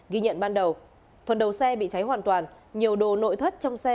ghi nhận ban đầu phần đầu xe bị cháy hoàn toàn nhiều đồ nội thất trong xe